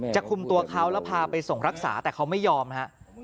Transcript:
คุมตัวเขาแล้วพาไปส่งรักษาแต่เขาไม่ยอมฮะ